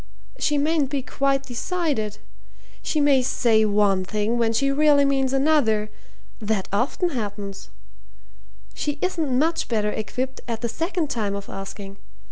She mayn't be quite decided. She may say one thing when she really means another. That often happens. She isn't much better equipped at the second time of asking.